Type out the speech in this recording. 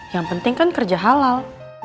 yang penting kan kerja halal